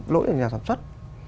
lỗi của nhà sản xuất